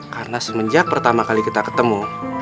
karena semenjak pertama kali kita ketemu